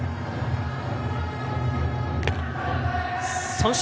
三振。